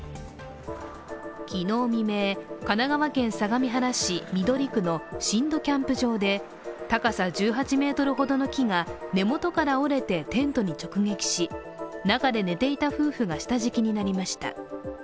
昨日未明、神奈川県相模原市緑区の新戸キャンプ場で高さ１８ｍほどの木が根元から折れてテントに直撃し、中で寝ていた夫婦が下敷きになりました。